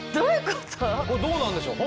これどうなんでしょう？